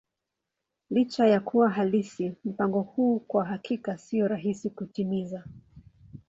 Licha ya kuwa halisi, mpango huu kwa hakika sio rahisi kutimiza.